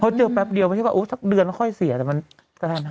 เพราะเจอแป๊บเดียวมันคิดว่าสักเดือนมันค่อยเสียแต่มันก็แทนครับ